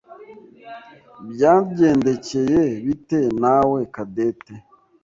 Byagendekeye bite nawe Cadette?